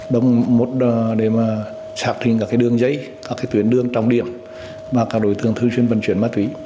đồng một để mà sạc thịnh các cái đường dây các cái tuyến đường trong điểm và các đối tượng thư chuyên vận chuyển ma túy